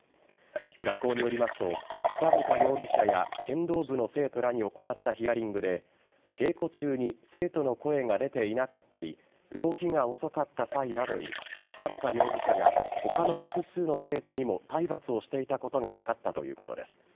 学校によりますと草深容疑者や剣道部の生徒らに行ったヒアリングで稽古中に生徒の声が出ていなかったり動きが遅かった際などに草深容疑者が他の複数の生徒にも体罰をしていたことが分かったということです。